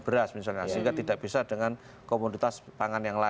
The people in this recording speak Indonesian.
beras misalnya sehingga tidak bisa dengan komoditas pangan yang lain